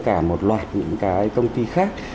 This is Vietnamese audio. cả một loạt những cái công ty khác